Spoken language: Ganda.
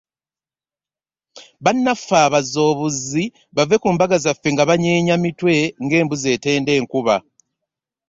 Bannaffe abazzi obuzzi bave ku mbaga zaffe nga banyeenya mitwe ng’embuzi etenda enkuba.